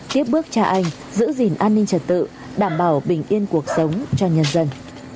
tiếp bước cha anh giữ gìn an ninh trật tự đảm bảo bình yên cuộc sống cho nhân dân